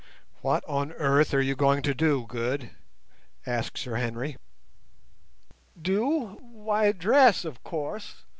"What on earth are you going to do, Good?" asked Sir Henry. "Do—why dress, of course!